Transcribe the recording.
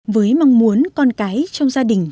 với mong muốn con cái trong gia đình này